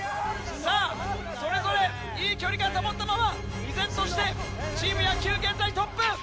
さぁそれぞれいい距離感保ったまま依然としてチーム野球現在トップ。